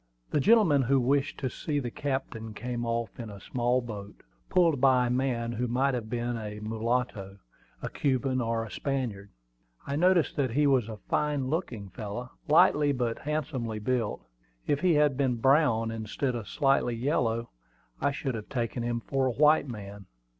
The gentleman who wished to see the captain came off in a small boat, pulled by a man who might have been a mulatto, a Cuban, or a Spaniard. I noticed that he was a fine looking fellow, lightly but handsomely built. If he had been brown, instead of slightly yellow, I should have taken him for a white man.